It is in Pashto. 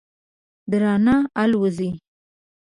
درنه آلوځي.